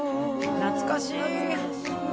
懐かしいな。